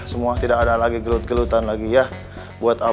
semua tidak ada lagi gelut gelutan lagi ya